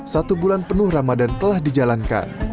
satu bulan penuh ramadan telah dijalankan